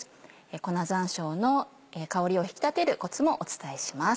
粉山椒の香りを引き立てるコツもお伝えします。